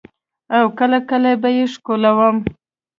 او کله کله به يې ښکلولم.